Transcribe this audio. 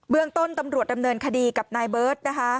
เรื่องต้นตำรวจดำเนินคดีกับนายเบิร์ตนะคะ